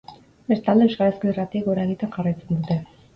Bestalde, euskarazko irratiek gora egiten jarraitzen dute.